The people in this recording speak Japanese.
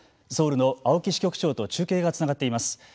ソウルの青木支局長と中継がつながっています。